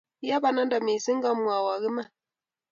Ya bananda mising ngamwowok iman